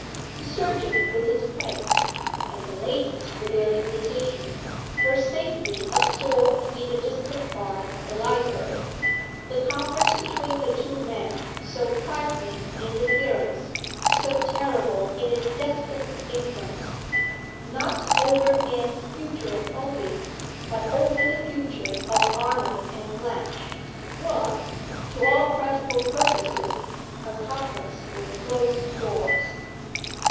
The surgeon with his prints, and the ladies with their invitations, were safely absorbed in a distant part of the library. The conference between the two men, so trifling in appearance, so terrible in its destined influence, not over Anne's future only, but over the future of Arnold and Blanche, was, to all practical purposes, a conference with closed doors.